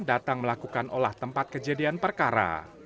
datang melakukan olah tempat kejadian perkara